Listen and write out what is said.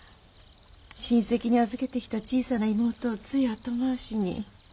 親せきに預けてきた小さな妹をつい後回しに。